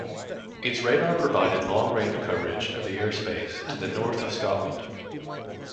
Its radar provided long-range coverage of the airspace to the north of Scotland.